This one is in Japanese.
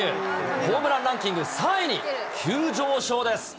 ホームランランキング３位に急上昇です。